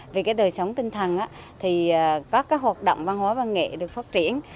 vì đời sống tinh thần các hoạt động văn hóa và nghệ được phát triển